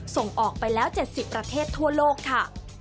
ส่งออกไปแล้ว๗๐ประเทศทั่วโลกค่ะ